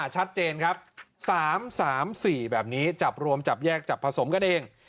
ชัดเจนครับ๓๓๔แบบนี้จับรวมจับแยกจับผสมกันเอง